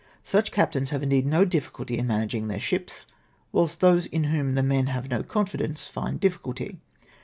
Such captams have mdeed no difficulty in manning their ships, whilst those in whom the men have no coniidence find difficulty.